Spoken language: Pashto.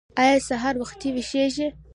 ایا سهار وختي ویښیږئ؟